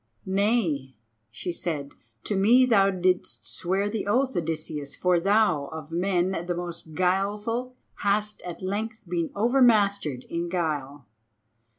"Nay," she said, "to me thou didst swear the oath, Odysseus, for thou, of men the most guileful, hast at length been over mastered in guile.